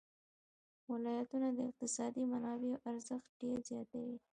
ولایتونه د اقتصادي منابعو ارزښت ډېر زیاتوي.